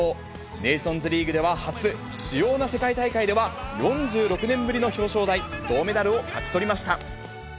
ネーションズリーグでは初、主要な世界大会では４６年ぶりの表彰台、銅メダルを勝ち取りました。